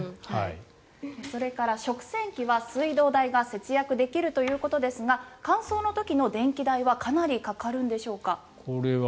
それから食洗機は水道代が節約できるということですが乾燥の時の電気代はかなりかかるんですか？